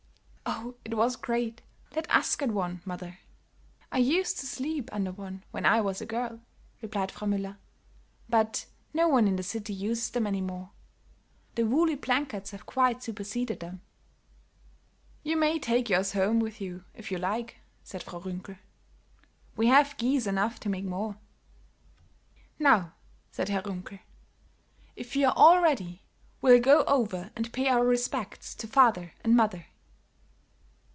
"Oh, it was great; let us get one, mother." "I used to sleep under one when I was a girl," replied Frau Müller, "but no one in the city uses them any more; the woolly blankets have quite superceded them." "You may take yours home with you, if you like," said Frau Runkel, "we have geese enough to make more." "Now," said Herr Runkel, "if you are all ready, we'll go over and pay our respects to father and mother."